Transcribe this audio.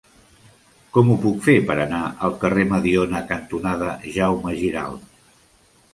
Com ho puc fer per anar al carrer Mediona cantonada Jaume Giralt?